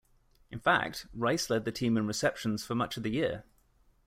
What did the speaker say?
In fact, Rice led the team in receptions for much of the year.